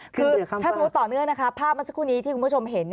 คือถ้าสมมุติต่อเนื่องนะคะภาพเมื่อสักครู่นี้ที่คุณผู้ชมเห็น